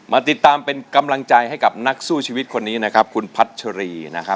มาติดตามเป็นกำลังใจให้กับนักสู้ชีวิตคนนี้นะครับคุณพัชรีนะครับ